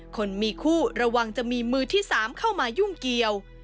คนมีคู่ระวังจะมีมือที่๓เข้ามายุ่งเกี่ยว